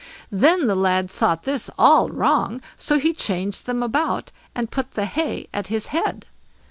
Then the lad thought this all wrong, so he changed them about, and put the hay at his head.